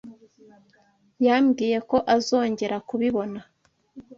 Yambwiye ko azongera kubibona.